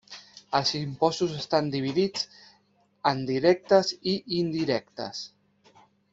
Els impostos estan dividits en directes i indirectes.